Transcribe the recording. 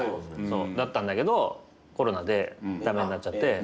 そうだったんだけどコロナでダメになっちゃって。